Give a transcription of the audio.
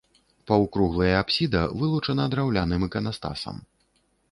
Паўкруглая апсіда вылучана драўляным іканастасам.